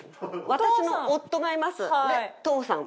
私の夫がいます父さん。